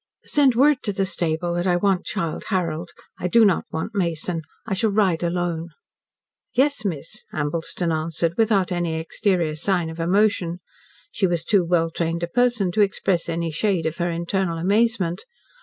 "Send word to the stable that I want Childe Harold. I do not want Mason. I shall ride alone." "Yes, miss," Ambleston answered, without any exterior sign of emotion. She was too well trained a person to express any shade of her internal amazement.